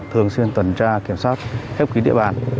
thường xuyên tuần tra kiểm soát khép kín địa bàn